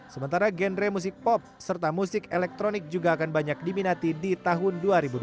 sementara genre musik pop serta musik elektronik juga akan banyak diminati di tahun dua ribu dua puluh